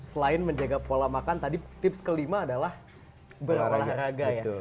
selain menjaga pola makan tadi tips kelima adalah berolahraga ya